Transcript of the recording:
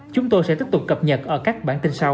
chúng tôi sẽ tiếp tục cập nhật ở các bản tin sau